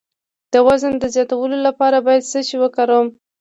د وزن د زیاتولو لپاره باید څه شی وکاروم؟